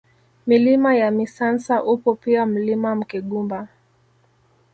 Milima ya Misansa upo pia Mlima Mkegumba